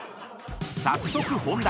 ［早速本題。